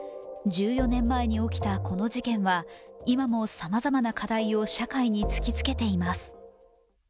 １４年前に起きたこの事件は今もさまざまな課題を社会に突きつけています。